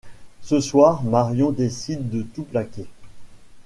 Ce soir, Marion décide de tout plaquer.